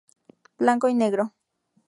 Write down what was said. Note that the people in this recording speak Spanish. Blanco y negro.